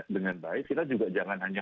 dengan baik kita juga jangan hanya